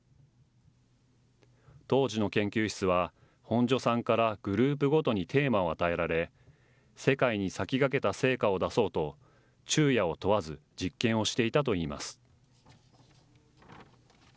当時の研究室は、本庶さんからグループごとにテーマを与えられ、世界に先駆けた成果を出そうと、昼夜を問わず実験をしていたといいます。